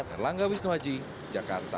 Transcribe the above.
terlangga wisnuaji jakarta